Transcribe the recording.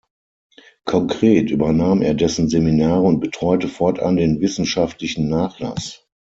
Konkret übernahm er dessen Seminare und betreute fortan den wissenschaftlichen Nachlass.